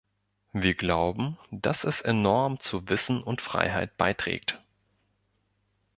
Wir glauben, dass es enorm zu Wissen und Freiheit beiträgt.